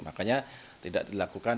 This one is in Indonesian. makanya tidak dilakukan